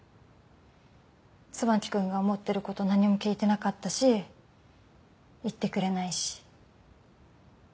椿君が思ってること何も聞いてなかったし言ってくれないし。